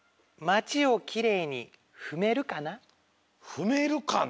「ふめるかな」。